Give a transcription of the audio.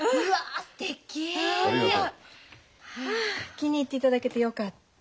気に入っていただけてよかった。